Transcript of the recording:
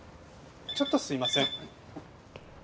ちょっとすいません。